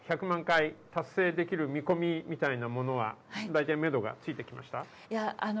１００万回達成できる見込みみたいなものは、大体メドがついてきました？